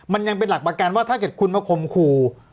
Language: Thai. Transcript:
มันยังเป็นหลักประกันว่าถ้าเกิดคุณมาข่มขู่